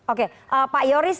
oke pak yoris